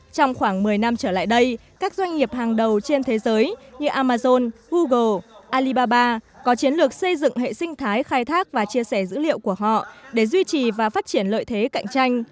trở lại đây các doanh nghiệp hàng đầu trên thế giới như amazon google alibaba có chiến lược xây dựng hệ sinh thái khai thác và chia sẻ dữ liệu của họ để duy trì và phát triển lợi thế cạnh tranh